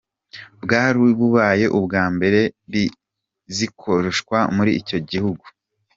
Bwari bubaye ubwa mbere zikoreshwa muri ico gihugu.